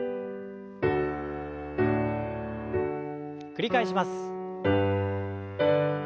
繰り返します。